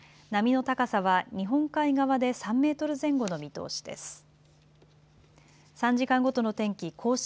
波の高さは日本海側で３メートル前後の見通しです。